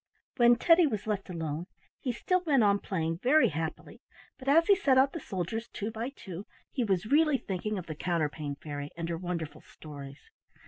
When Teddy was left alone he still went on playing very happily, but as he set out the soldiers two by two, he was really thinking of the Counterpane Fairy and her wonderful stories.